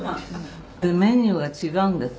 「メニューが違うんです